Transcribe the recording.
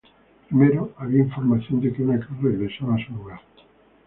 Primero, había información de que una cruz regresaba a su lugar.